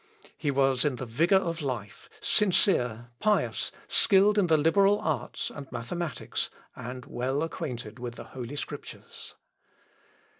He was in the vigour of life, sincere, pious, skilled in the liberal arts, and mathematics, and well acquainted with the Holy Scriptures.